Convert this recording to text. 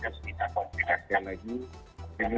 sekali lagi ini